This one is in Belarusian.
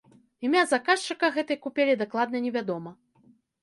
Імя заказчыка гэтай купелі дакладна невядома.